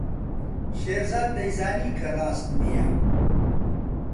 شێرزاد دەیزانی کە ڕاست نییە.